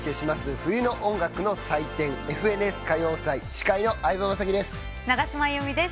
冬の音楽の祭典『ＦＮＳ歌謡祭』司会の相葉雅紀です。